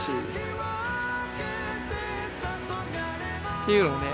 っていうのをね